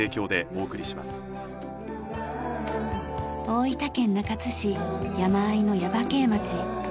大分県中津市山あいの耶馬溪町。